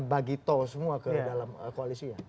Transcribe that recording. bagi tol semua ke dalam koalisinya